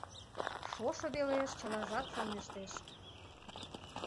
Шошо велеш чылажат сылнештеш.